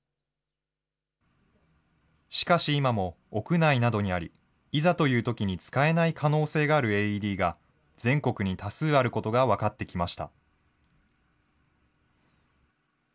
しかし今も屋内などにあり、いざというときに使えない可能性があるＡＥＤが全国に多数あることが分かってきました。